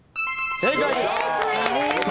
正解です。